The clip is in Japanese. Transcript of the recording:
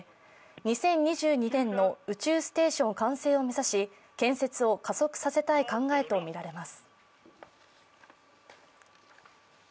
２０２２年の宇宙ステーション完成を目指し建設を加速させたい考えとみられます。